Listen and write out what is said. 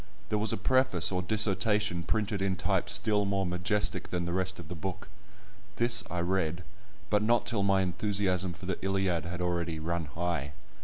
There was a preface or dissertation printed in type still more majestic than the rest of the book; this I read, but not till my enthusiasm for the Iliad had already run high.